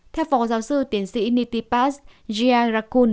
theo phó giáo sư tiến sĩ nity pas gia rakun